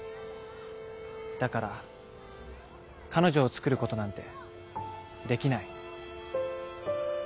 だから彼女を作ることなんてできない。